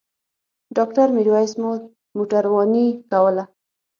ډاکټر میرویس مو موټرواني کوله.